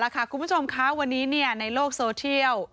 คุณผู้ชมคะวันนี้ในโลกโซเทียล